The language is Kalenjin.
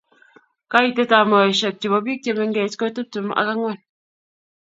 Koitetab meosiek chebo. Bik che mengech ko tiptem ak angwan